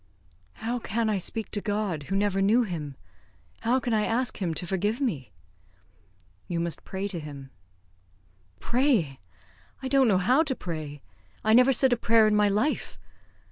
"How can I speak to God, who never knew Him? How can I ask Him to forgive me?" "You must pray to him." "Pray! I don't know how to pray. I never said a prayer in my life.